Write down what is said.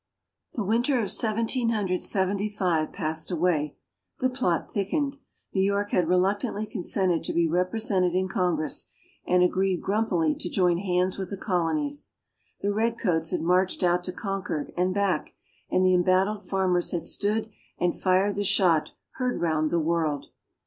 The Winter of Seventeen Hundred Seventy five passed away; the plot thickened. New York had reluctantly consented to be represented in Congress and agreed grumpily to join hands with the Colonies. The redcoats had marched out to Concord and back; and the embattled farmers had stood and fired the shot "heard 'round the world."